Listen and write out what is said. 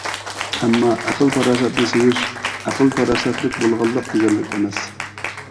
ئەمما ئەقىل-پاراسەتنى سۆيۈش ئەقىل-پاراسەتلىك بولغانلىق دېگەنلىك ئەمەس.